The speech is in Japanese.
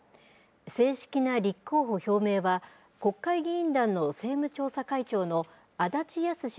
正式な立候補表明は、国会議員団の政務調査会長の足立康史